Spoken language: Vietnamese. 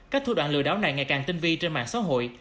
các thủ đoạn lừa đảo này ngày càng tinh vi trên mạng xã hội